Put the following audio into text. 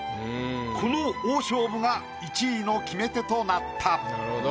この大勝負が１位の決め手となった。